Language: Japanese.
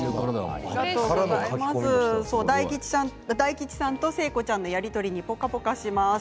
大吉さんと誠子ちゃんのやり取りにポカポカします。